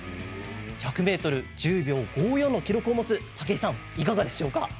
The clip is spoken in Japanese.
１００ｍ１０秒５４の記録を持つ武井さん、いかがでしょうか。